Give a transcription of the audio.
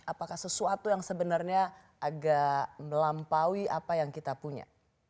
apakah sesuatu yang sebenarnya agak melampaui apa yang kita punya